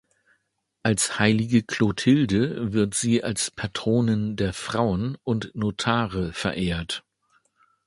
Als heilige Clothilde wird sie als Patronin der Frauen und Notare verehrt.